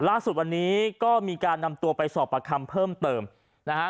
ล่าสุดวันนี้ก็มีการนำตัวไปสอบประคำเพิ่มเติมนะฮะ